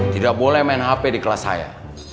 tidak boleh main hp di kelas saya